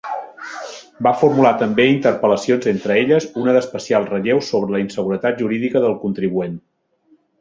Va formular també interpel·lacions, entre elles, una d'especial relleu sobre la inseguretat jurídica del contribuent.